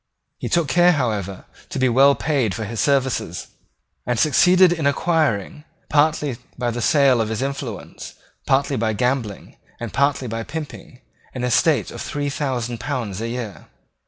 He took care, however, to be well paid for his services, and succeeded in acquiring, partly by the sale of his influence, partly by gambling, and partly by pimping, an estate of three thousand pounds a year.